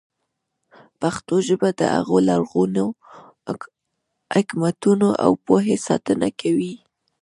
پښتو ژبه د هغو لرغونو حکمتونو او پوهې ساتنه کوي.